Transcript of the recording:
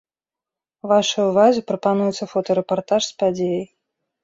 Вашай увазе прапануецца фотарэпартаж з падзеі.